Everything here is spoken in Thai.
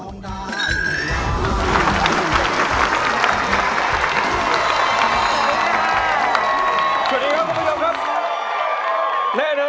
สวัสดีครับคุณผู้ชมครับ